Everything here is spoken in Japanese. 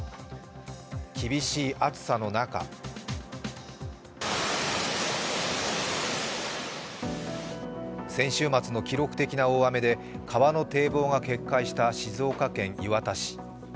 厳しい暑さの中、先週末の記録的な大雨で川の堤防が決壊した静岡県磐田市。